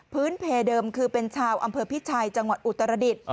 เพเดิมคือเป็นชาวอำเภอพิชัยจังหวัดอุตรดิษฐ์